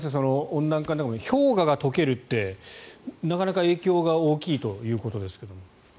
温暖化でも、氷河が解けるってなかなか影響が大きいということですが。